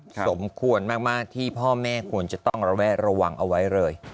สมควรมากที่พ่อแม่ควรจะต้องระแวดระวังเอาไว้เลย